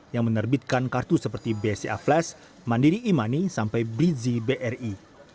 yang menerbitkan kartu seperti bca flash mandiri imani sampai bz bri